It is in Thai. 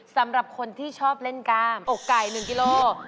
สำหรับคนที่ชอบเล่นกล้ามอกไก่๑กิโล